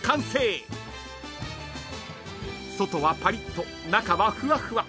［外はパリッと中はふわふわ］